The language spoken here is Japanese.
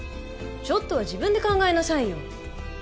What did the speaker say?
ちょっとは自分で考えなさいよ。